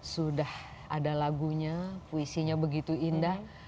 sudah ada lagunya puisinya begitu indah